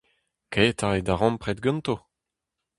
Kae 'ta e darempred ganto !